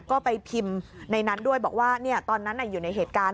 ก็ไปพิมพ์ในนั้นด้วยบอกว่าตอนนั้นอยู่ในเหตุการณ์